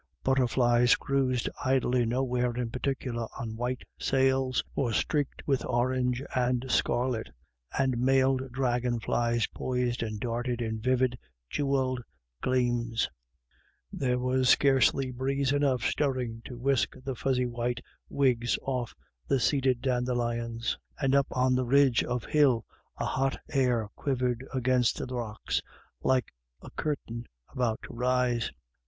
Butterflies cruised idly nowhere in particular on white sails, or freaked with orange and scarlet, and mailed dragonflies poised and darted in vivid jewelled gleams. There was scarcely breeze enough stirring to whisk the fuzzy white wigs off the seeded dandelions, and up on the ridge of hill the hot air quivered against the rock? like a curtain about to rise.